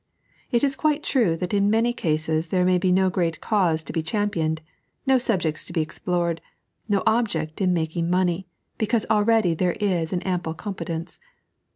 It is quite true that in many cases there may be no great cause to be championed, no subjects to be explored, no object in making money, because already there is an ample competence.